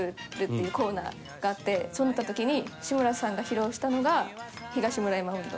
そうなった時に志村さんが披露したのが『東村山音頭』。